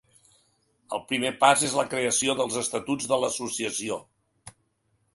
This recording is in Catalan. El primer pas és la creació dels estatuts de l’associació.